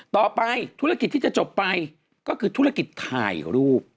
ต่อไปธุรกิจที่จะจบไปก็คือธุรกิจถ่ายรูป